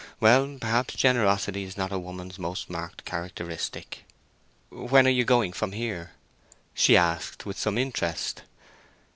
Well, perhaps generosity is not a woman's most marked characteristic." "When are you going from here?" she asked, with some interest.